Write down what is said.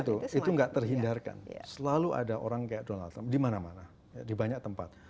betul itu nggak terhindarkan selalu ada orang kayak donald trump di mana mana di banyak tempat